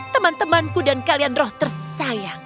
teman temanku dan kalian roh tersayang